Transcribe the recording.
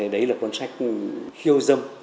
đấy là cuốn sách khiêu dâm